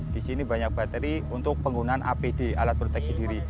di sini banyak bateri untuk penggunaan apd alat proteksi diri